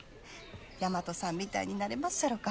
大和さんみたいになれまっしゃろか？